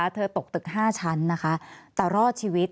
เธอตกตึก๕ชั้นแต่รอดชีวิต